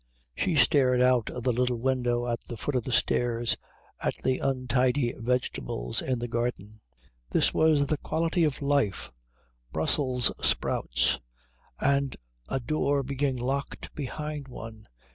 She stared out of the little window at the foot of the stairs at the untidy vegetables in the garden. This was the quality of life Brussels sprouts, and a door being locked behind one.